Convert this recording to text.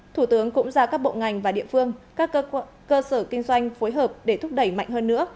thủ tướng cũng ra các bộ ngành và địa phương các cơ sở kinh doanh phối hợp để thúc đẩy mạnh hơn nữa